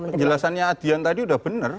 penjelasannya adian tadi udah bener